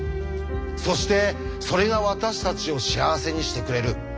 そしてそれが私たちを幸せにしてくれる。